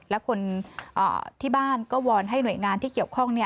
และคนที่บ้านก็วอนให้หน่วยงานที่เกี่ยวข้อง